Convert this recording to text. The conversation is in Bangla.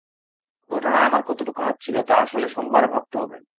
ঘটনায় আমার কতোটুকু হাত ছিল তা আসলে সোমবারে ভাবতে হবে।